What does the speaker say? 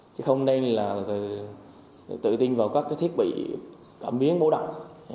chứ không nên là tự tin vào các thiết bị cẩm biến bố động